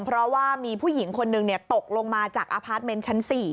เพราะว่ามีผู้หญิงคนนึงตกลงมาจากอพาร์ทเมนต์ชั้น๔